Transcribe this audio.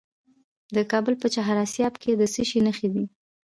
د کابل په چهار اسیاب کې د څه شي نښې دي؟